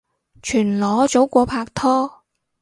全裸早過拍拖